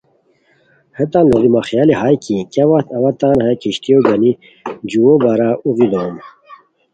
ہتو لوڑی مہ خیالی ہائے کی کیہ وت اوا تان ہیہ کشتیو گانی جُو بارہ اوغی دوم